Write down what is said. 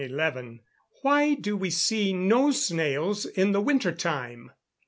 _Why do we see no snails in the winter time?